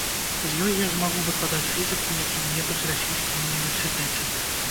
З ёй я змагу выкладаць фізіку ў якім-небудзь расійскім універсітэце.